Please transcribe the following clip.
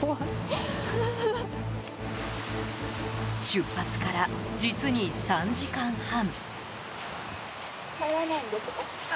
出発から実に３時間半。